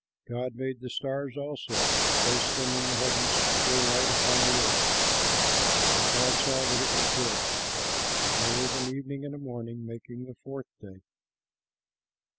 God made the stars also and placed them in the heavens to throw light upon the earth. And God saw that it was good. And there was an evening and a morning, making the fourth day.